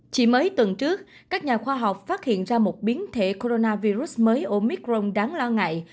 chỉ mới tuần trước các nhà khoa học phát hiện ra một biến thể coronavirus mới omicron đáng lo ngại